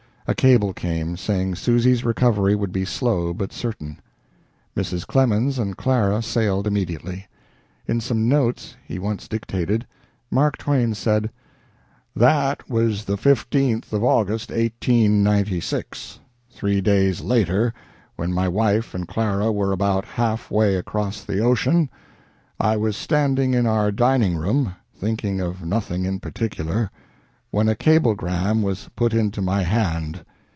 A cable came, saying Susy's recovery would be slow but certain. Mrs. Clemens and Clara sailed immediately. In some notes he once dictated, Mark Twain said: "That was the 15th of August, 1896. Three days later, when my wife and Clara were about half way across the ocean, I was standing in our dining room, thinking of nothing in particular, when a cablegram was put into my hand.